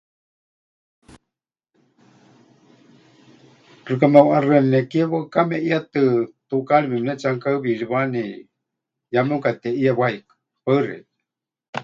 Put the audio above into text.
Xɨka meʼuʼaxɨáni nekie waɨká meʼietɨ tukaari memɨnetsihanukahɨwiriwani, ya mepɨkateʼie waikɨ. Paɨ xeikɨ́a.